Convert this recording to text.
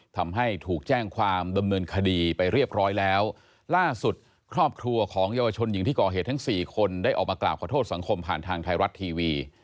ทำให้ถูกแจ้งความดำเนินคดีไปเรียบร้อยแล้วล่าสุดครอบครัวของเยาวชนหญิงที่ก่อเหตุทั้งสี่คนได้ออกมากล่าวขอโทษสังคมผ่านทางไทยรัฐทีวี